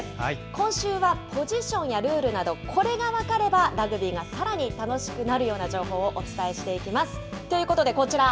今週はポジションやルールなど、これが分かれば、ラグビーがさらに楽しくなるような情報をお伝えしていきます。